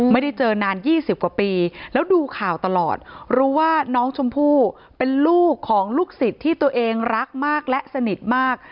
ไม่ได้เจอนาน๒๐กว่าปีแล้วดูข่าวตลอดรู้ว่าน้องชมพู่เป็นลูกของลูกศิษย์ที่ตัวเองรักมากและสนิทมาก